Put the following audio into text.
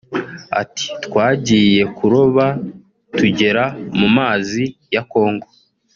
Ati “Twagiye kuroba tugera mu mazi ya Congo